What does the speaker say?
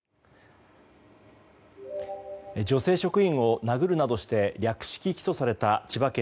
女性職員を殴るなどして略式起訴された千葉県